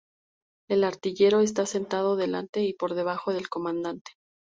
El artillero está sentado delante y por debajo del comandante.